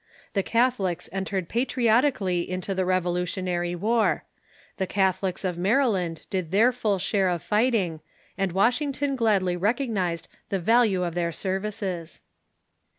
The Catholics entered patriotically into the Revolutionary War. The Catholics of Maryland did their full share of fighting, and Washington gladly recognized the value of their services.